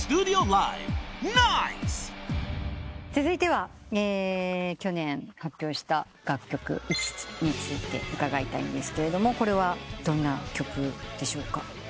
続いては去年発表した楽曲『一途』について伺いたいんですがこれはどんな曲でしょうか？